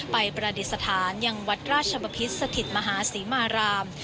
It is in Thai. ไปประดิสถานทั้งวัดราชบปภิษฐิษฐิตมหาศรีมาราม